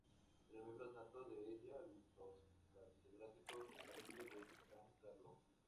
Eran miembros natos de ella los catedráticos del Colegio de San Carlos.